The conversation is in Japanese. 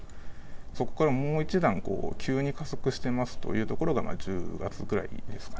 そこからもう一段、急に加速してますというところが１０月ぐらいですかね。